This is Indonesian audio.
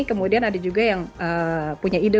kemudian ada juga yang punya ide